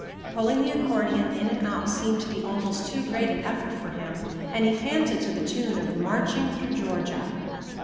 Pulling the accordion in and out seemed to be almost too great an effort for him, and he panted to the tune of "Marching through Georgia."